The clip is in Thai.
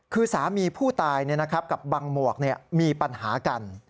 คือสามีผู้ตายกับบังหมวกมีปัญหากัน